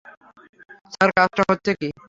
Sir, কাজ হচ্ছে কী?